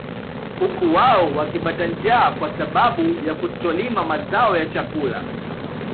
Huku wao wakipata njaa kwa sababu ya kutolima mazao ya chakula